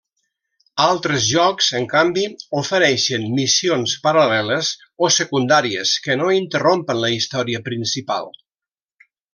Altres jocs, en canvi, ofereixen missions paral·leles o secundàries que no interrompen la història principal.